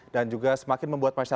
dan juga semakin membuat pandangan